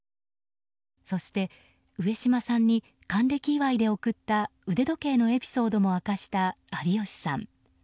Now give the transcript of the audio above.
そして上島さんに還暦祝いで贈った腕時計のエピソードも明かした有吉さん。